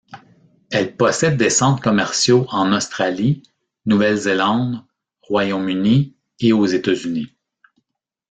Elle possède des centres commerciaux en Australie, Nouvelle-Zélande, Royaume-Uni et aux États-Unis.